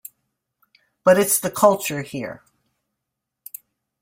But it's the culture here.